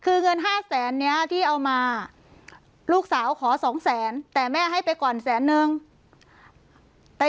คือเงิน๕๐๐๐๐บาทที่เอามาลูกสาวขอ๒๐๐๐๐๐แต่แม่ให้ไปก่อนกว่า๑๐๐๐๐๐